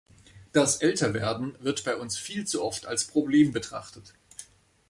Das Älterwerden wird bei uns viel zu oft als Problem betrachtet.